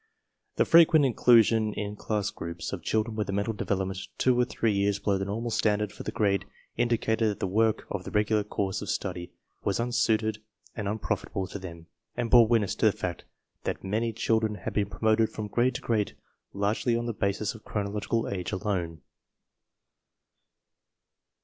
The frequent inclusion in class groups of children with a mental development two or three years below the normal standard for the grade indi cated that the work of the regular course of study was unsuited and unprofitable to them, and bore witness to the fact that many children had been promoted from TESTS IN SCHOOLS OF A SMALL CITY 95 grade to grade largely on the basis of chronological age alone.